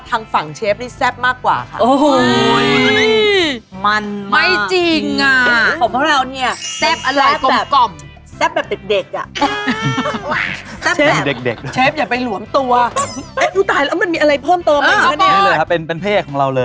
ทางฝั่งเชฟนี่แซ่บมากกว่าค่ะ